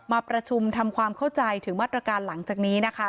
มาประชุมทำความเข้าใจถึงมาตรการหลังจากนี้นะคะ